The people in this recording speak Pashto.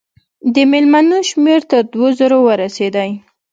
د مېلمنو شمېر تر دوو زرو ورسېدی.